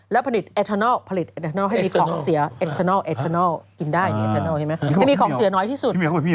แล้วผลิตแอทเทอนัลให้มีของเสียแอทเทอนัลกินได้